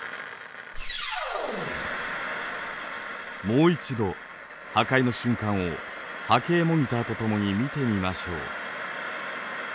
もう一度破壊の瞬間を波形モニターとともに見てみましょう。